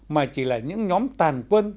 mà chỉ là những nhóm tàn quân